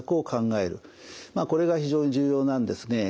まあこれが非常に重要なんですね。